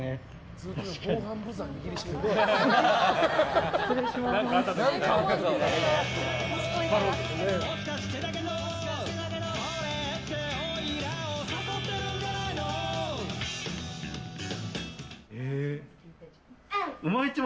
ずっと防犯ブザー握りしめている。